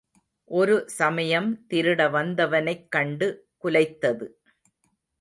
ஒரு சமயம் திருட வந்தவனைக் கண்டு குலைத்தது.